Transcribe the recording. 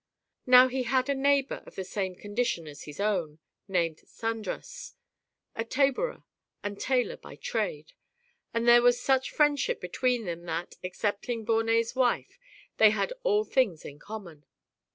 Now he had a neighbour of the same condition as his own, named Sandras, a labourer 3 and tailor by trade, and there was such friendship between them that, excepting Bornet's wife, they had all things in common.